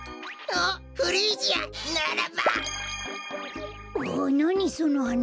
あなにそのはな？